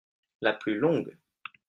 La plus longue.